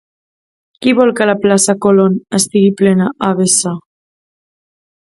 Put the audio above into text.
Qui vol que la plaça Colón estigui plena a vessar?